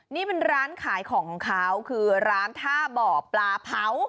นี่เป็นร้านขายของของเขาคือร้านท่าบ่อปลาเผา